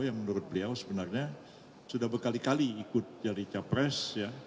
yang menurut beliau sebenarnya sudah berkali kali ikut jadi capres